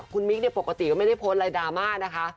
คุณมิ๊กปกติก็ไม่ได้โพสต์อะไรดราม่านะคะ